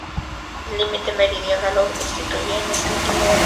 El límite meridional lo constituye este último barranco.